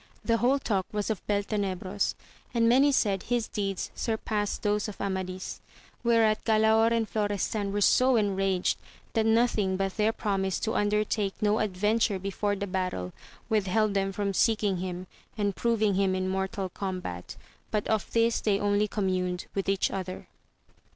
The whole tab was of Beltenebros, and many said his deeds su)cpassed those of Amadis ; whereat Galaor and Florestan were so enraged, that nothing but their promise to under take no adventure before the battle, withheld them from seeking him and proving him in mortal combat, but of this they only communed with each other.